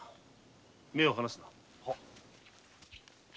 目を離すな！